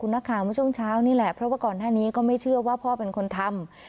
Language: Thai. นักข่าวเมื่อช่วงเช้านี่แหละเพราะว่าก่อนหน้านี้ก็ไม่เชื่อว่าพ่อเป็นคนทำ